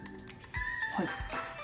はい。